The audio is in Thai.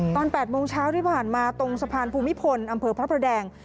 ตอน๘โมงเช้าที่ผ่านมาตรงสะพานภูมิพลอำเภอพระประแดง